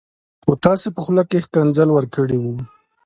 خو تاسي په خوله کي ښکنځل ورکړي و